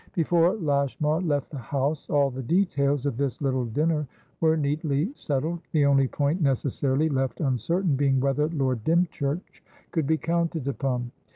Before Lashmar left the house, all the details of this little dinner were neatly settled, the only point necessarily left uncertain being whether Lord Dymchurch could be counted upon.